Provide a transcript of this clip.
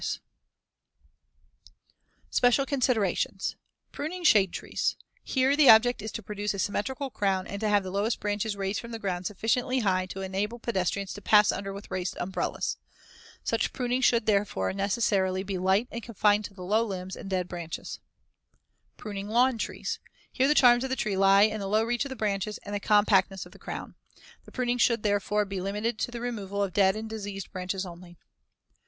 ] SPECIAL CONSIDERATIONS Pruning shade trees: Here, the object is to produce a symmetrical crown and to have the lowest branches raised from the ground sufficiently high to enable pedestrians to pass under with raised umbrellas. Such pruning should, therefore, necessarily be light and confined to the low limbs and dead branches. Pruning lawn trees: Here the charm of the tree lies in the low reach of the branches and the compactness of the crown. The pruning should, therefore, be limited to the removal of dead and diseased branches only.